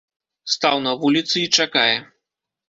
Стаў на вуліцы і чакае.